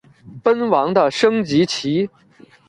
奔王的升级棋。